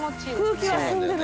空気が澄んでる。